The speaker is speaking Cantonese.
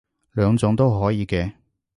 兩種都可以嘅